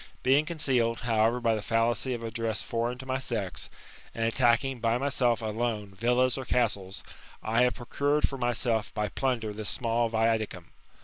Being concealed, however, by the fallacy of a dress foreign to my sex, and attacking by myself alone villas or castles, I have procured for myself by plunder this small viaticum.